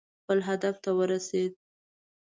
خپل هدف ته ورسېد.